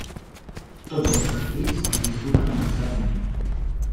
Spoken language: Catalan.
Tots els partits es disputen als Estats Units.